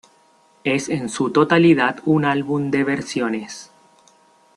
Es en su totalidad un álbum de versiones.